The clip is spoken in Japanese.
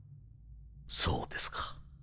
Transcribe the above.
そうですか。